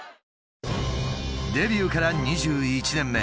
デビューから２１年目。